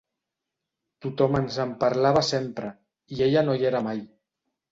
Tothom ens en parlava sempre, i ella no hi era mai.